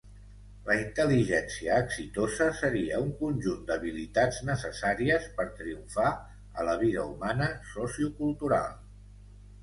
La intel·ligència exitosa seria un conjunt d’habilitats necessàries per triomfar a la vida humana sociocultural.